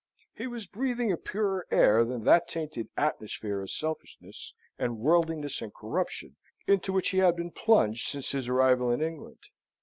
He was breathing a purer air than that tainted atmosphere of selfishness, and worldliness, and corruption, into which he had been plunged since his arrival in England.